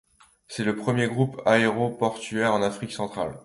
C'est le premier groupe aéroportuaire en Afrique centrale.